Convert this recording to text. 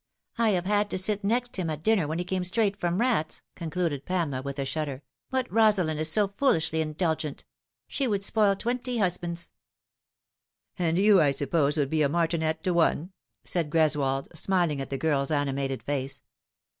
I have had to sit next him at dinner when he came straight from rats," con cluded Pamela, with a shudder. " But Rosalind is so foolishly indulgent. She would spoil twenty husbands." I 130 The Fatal Three. " And you, I suppose, would be a martinet to one ?" said Greswold, smiling at the girl's animated face.